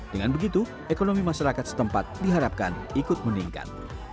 dengan begitu ekonomi masyarakat setempat diharapkan ikut meningkat